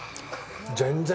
全然。